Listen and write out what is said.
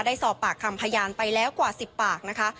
ได้สอบปากคำพยานไปแล้วกว่า๑๐ปากนะคะ